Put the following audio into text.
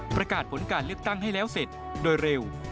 ประกาศผลการเลือกตั้งให้แล้วเสร็จโดยเร็ว